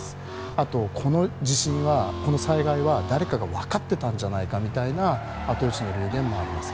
あと、この地震、災害は誰かが分かってたんじゃないかというような後予知の流言もあります。